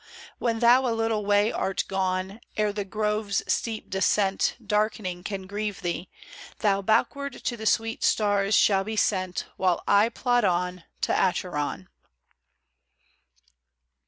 When thou a little way art gone, Ere the grove's steep descent Darkening can grieve thee, Thou backward to the sweet stars shalt be sent ; While I plod on To Acheron.